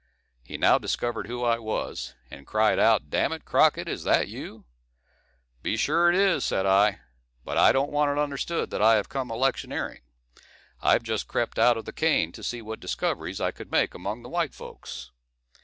He now discovered who I was, and cried out, "D n it, Crockett, is that you?" "Be sure it is," said I, "but I don't want it understood that I have come electioneering. I have just crept out of the cane, to see what discoveries I could make among the white folks."